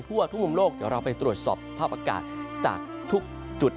ทั่วทุกมุมโลกเดี๋ยวเราไปตรวจสอบสภาพอากาศจากทุกจุด